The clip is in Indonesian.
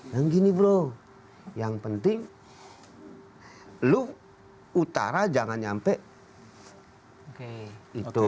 yang gini bro yang penting lu utara jangan sampai itu